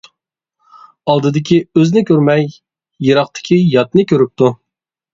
ئالدىدىكى ئۆزنى كۆرمەي، يىراقتىكى ياتنى كۆرۈپتۇ.